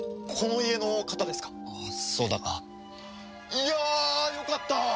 いやあよかった！